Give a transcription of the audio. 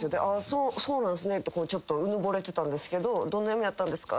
そうなんすねってちょっとうぬぼれてたんですけどどんな夢やったんですか？